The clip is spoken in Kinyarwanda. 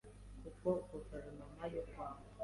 kuko Guverinoma y’u Rwanda